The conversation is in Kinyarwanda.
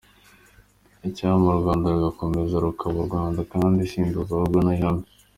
Icyampa u Rwanda rugakomeza rukaba u Rwanda kandi si inzozi ahubwo n’ihame.